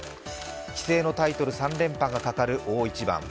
棋聖のタイトル３連覇がかかる大一番。